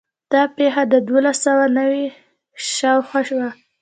دا پېښه د دولس سوه نوي شاوخوا وه.